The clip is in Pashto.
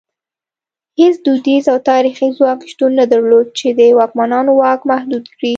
هېڅ دودیز او تاریخي ځواک شتون نه درلود چې د واکمنانو واک محدود کړي.